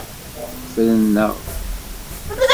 Fren-aɣ!